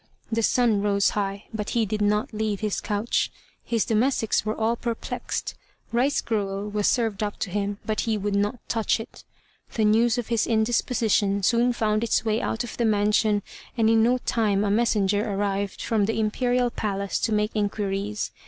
The sun rose high, but he did not leave his couch. His domestics were all perplexed. Rice gruel was served up to him, but he would not touch it. The news of his indisposition soon found its way out of the mansion, and in no time a messenger arrived from the Imperial Palace to make inquiries.